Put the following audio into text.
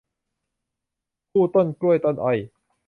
คู่ต้นกล้วยต้นอ้อย